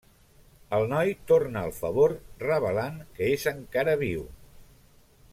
El noi torna el favor revelant que és encara viu.